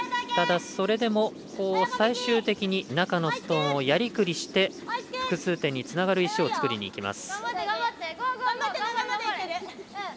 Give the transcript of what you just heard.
ただ、それでも最終的に中のストーンをやりくりして複数点につながる石を作りにいきます。